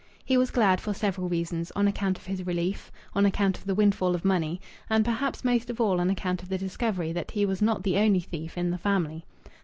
He was glad for several reasons on account of his relief, on account of the windfall of money, and perhaps most of all on account of the discovery that he was not the only thief in the family.